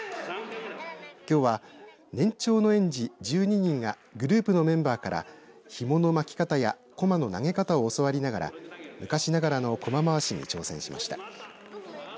きょうは、年長の園児１２人がグループのメンバーからひもの巻き方やこまの投げ方を教わりながら昔ながらのこま回しに挑戦しました。